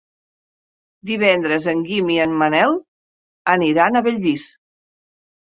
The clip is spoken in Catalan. Divendres en Guim i en Manel aniran a Bellvís.